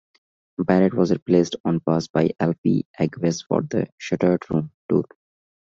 Barrett was replaced on bass by Alfie Agius for the "Shuttered Room" tour.